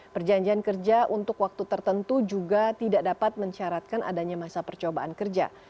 perjanjian kerja untuk waktu tertentu juga tidak dapat mencaratkan adanya masa percobaan kerja